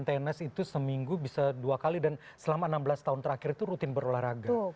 tenis itu seminggu bisa dua kali dan selama enam belas tahun terakhir itu rutin berolahraga